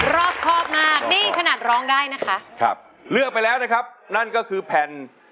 รอบครอบมากนี่ขนาดร้องได้นะคะครับเลือกไปแล้วนะครับนั่นก็คือแผ่น